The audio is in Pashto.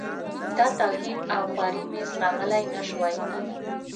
دا توهین او خواري مې زغملای نه شوای.